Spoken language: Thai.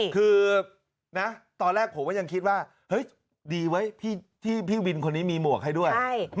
คือตอนแรกผมก็ยังคิดว่าเฮ้ยดีเว้ยที่พี่วินคนนี้มีหมวกให้ด้วย